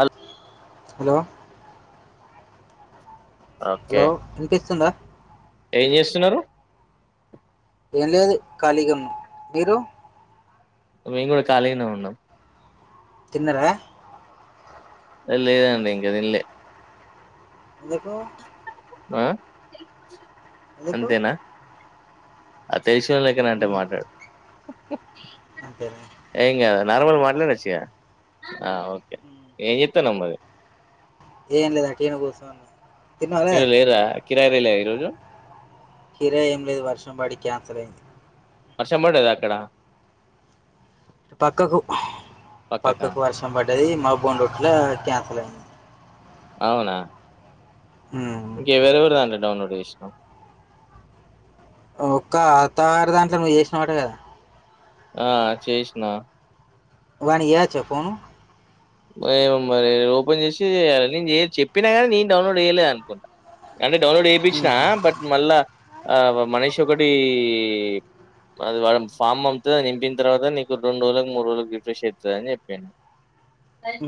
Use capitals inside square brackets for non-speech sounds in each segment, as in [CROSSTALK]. హల్ hello okay hello వినిపిస్తుందా ఏం చేస్తున్నారు ఏం లేదు కలిగున్నం మీరు మేము కూడా ఖాళీగానే ఉన్నాం తిన్నర అ లేదండి ఇంకా తినలే ఎందుకు ఆ ఎందుకు అ తెలిసినొల్లలెక్కనే అంటే మ్మ్. మాట్లాడు అంతేనా ఏం కాదు నార్మల్ మాట్లాడొచ్చు ఇగ ఆ ఓకే ఏ త్త నమ్మదీ ఏం లేదు అట్టిగానే కూసున్న ఇంకా లేదయే కిరాయిలేల్లాయి రోజు కిరాయం లేదు వర్షం పాడి కన్సల్ అయింది వర్షం పడ్డాద అక్కడ పక్కకు పక్కకా పక్కకు వర్షం పడ్డది మా బండుట్లా క్యాన్సల్ అయింది అవునా మ్మ్. ఇంకా ఎవరెవరదంట్ల డౌన్లడ్ చేస్నావ్ ఒక్క అతరు దాంట్లో నువ్వు చేసినవాట కదా ఆ చేసిన వన్ ఇయర్ చె చెప్పును మరి ఓపెన్ చేసి నేను చెప్పినా కానీ నేను డౌన్లోడ్ చేయలేదు అనుకుంటాను అంటే డౌన్లోడ్ చేపిచిన బట్ మళ్ళా మనీష్ ఒకటి అది వా ఫామ్ అమ్ముతుందిని నింపిన తర్వాత నీకు రెండు రోజులలకు మూడు రోజుల రిఫ్రెష్ అస్తుంది అని చెప్పాను అ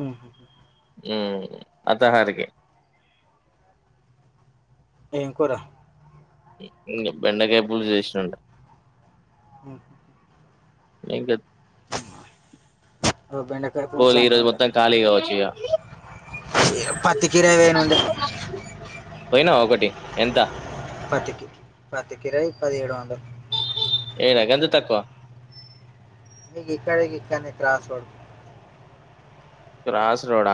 [UNINTELLIGIBLE] ఏం కూడారా బెండకాయపులు చేేషట్ంట ఓ ఇకా ఓ బెండకాయ పులుసు పోలు ఈరోజు అన్నుండే మొత్తం ఖాళీ కావచ్చు ఇక పత్తి కీర వేయనుండే పోయినా ఒకటి ఎంత పతికి పతికిరయి పదిడు వంట ఏనా గంధ తక్కువ మీ ఇక్కడకి ఇక్కనే క్రాస్ పడుదు క్రాస్ రోడ్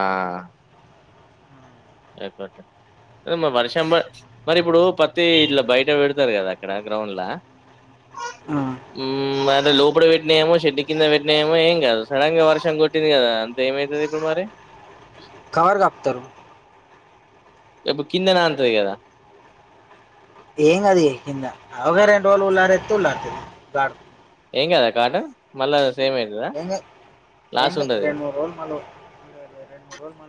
లేపో మా వర్షంబ మరి ఇప్పుడు పత్తి ఇట్లా బయట పెడతారు కదా అక్కడ గ్రౌండ్లా మ అంటే లోపలి పెట్టినాేమో చెషడ్టి కింద పెట్నాేమో ఏం కాదు సడన్ గా వర్షం కొట్టింది కదా అంతేమవుతుంది ఇప్పుడు మరి కవర్ కపుతారు ఇప్పు కంద నాంత కద ఏంగ్ అది కింద అవగ రెం వోల్ ఉల్లారే తులంటి గడ ఏం కదా కాట మళ్ళా సేమ్ అయితదా ఎం లాస్ ఎ ఉండది రెండు మూడు రోజులు మలు రెండు మూ రోజలు మలు